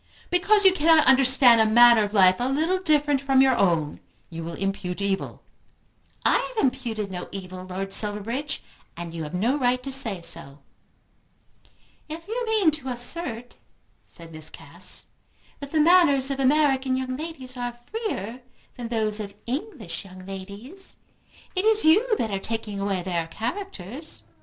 "Because you cannot understand a manner of life a little different from your own you will impute evil." "I have imputed no evil, Lord Silverbridge, and you have no right to say so." "If you mean to assert," said Miss Cass, "that the manners of American young ladies are freer than those of English young ladies, it is you that are taking away their characters."